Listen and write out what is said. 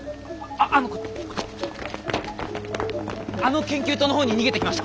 あのあの研究棟の方に逃げていきました。